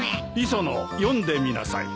磯野読んでみなさい。